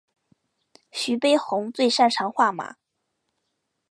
徐悲鸿最擅长画马。